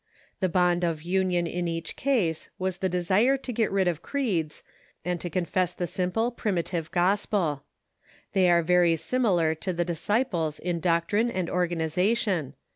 The bond of union in each case was the desire to get rid of creeds, and to confess the simple primitive gos pel. They are very similar to the Disciples in doctrine and organization.